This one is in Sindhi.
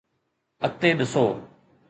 اڳتي ڏسو